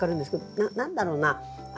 何だろうな？